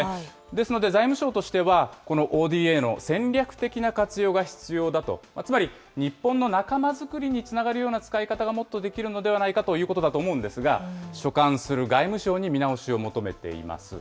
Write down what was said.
ですので、財務省としてはこのＯＤＡの戦略的な活用が必要だと、つまり日本の仲間作りにつながるような使い方がもっとできるのではないかということだと思うんですが、所管する外務省に見直しを求めています。